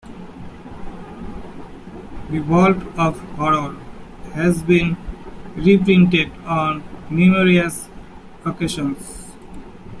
"The Vault of Horror" has been reprinted on numerous occasions.